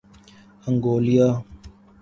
Anguilla